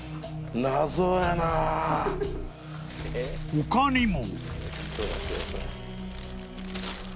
［他にも］